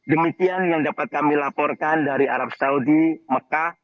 demikian yang dapat kami laporkan dari arab saudi mekah